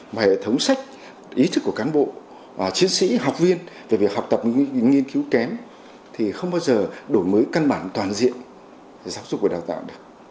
mà hệ thống sách ý thức của cán bộ chiến sĩ học viên về việc học tập nghiên cứu kém thì không bao giờ đổi mới căn bản toàn diện giáo dục và đào tạo được